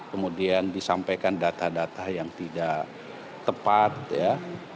kemudian disampaikan data data yang tidak tepat ya